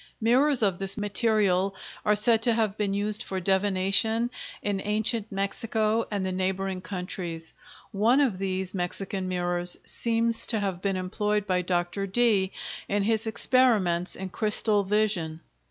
Mirrors of this material are said to have been used for divination in ancient Mexico and the neighboring countries. One of these Mexican mirrors seems to have been employed by Dr. Dee in his experiments in crystal vision.